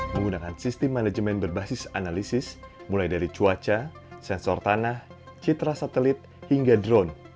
menggunakan sistem manajemen berbasis analisis mulai dari cuaca sensor tanah citra satelit hingga drone